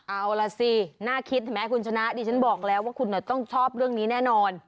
เอาล่ะสิน่าคิดเห็นไหมคุณชนะดิฉันบอกแล้วว่าคุณต้องชอบเรื่องนี้แน่นอน